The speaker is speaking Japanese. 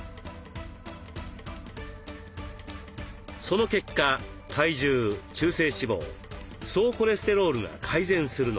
その結果体重中性脂肪総コレステロールが改善するのです。